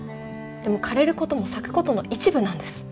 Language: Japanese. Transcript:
でも枯れることも咲くことの一部なんです。